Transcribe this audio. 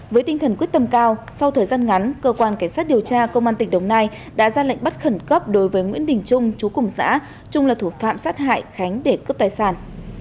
với tinh thần quyết tâm cao sau thời gian ngắn cơ quan cảnh sát điều tra công an tỉnh đồng nai đã ra lệnh bắt khẩn cấp đối với nguyễn đình trung chú cùng xã trung là thủ phạm sát hại khánh để cướp tài sản